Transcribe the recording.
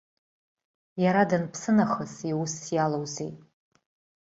Иара данԥсы нахыс, иусс иалоузеи!